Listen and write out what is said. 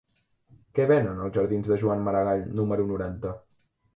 Què venen als jardins de Joan Maragall número noranta?